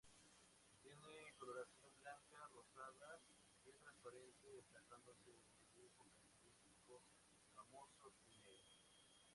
Tiene coloración blanca rosada, piel transparente destacándose un dibujo característico, ramoso y negro.